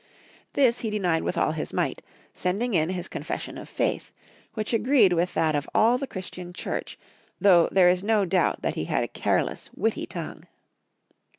This he denied with all his might, sending in his confession of faith, which agreed with that of all the Christian Church, though there is no doubt that he had a careless, witty tongue.